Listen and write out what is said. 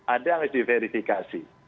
ada yang harus diverifikasi